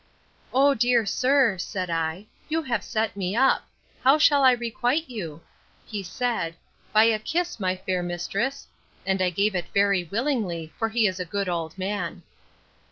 O dear sir, said I, you have set me up. How shall I requite you? He said, By a kiss, my fair mistress: And I gave it very willingly; for he is a good old man.